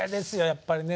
やっぱりね